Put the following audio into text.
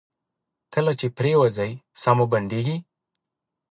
کله چې پریوځئ ساه مو بندیږي؟